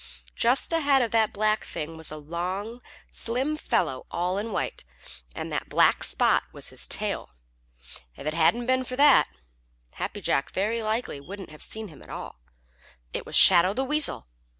Just ahead of that black thing was a long, slim fellow all in white, and that black spot was his tail. If it hadn't been for that, Happy Jack very likely wouldn't have seen him at all. It was Shadow the Weasel!